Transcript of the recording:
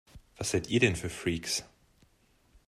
Was seid ihr denn für Freaks?